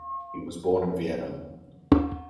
He was born in Vienna.